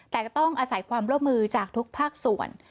แต่ก็ต้องอาศัยความร่วมมือจากทุกภาคส่วน